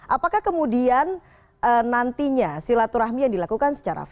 apakah kemudian nantinya silaturahmi yang dilakukan secara fit